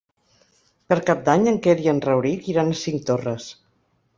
Per Cap d'Any en Quer i en Rauric iran a Cinctorres.